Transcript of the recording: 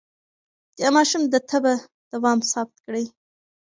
د ماشوم د تبه دوام ثبت کړئ.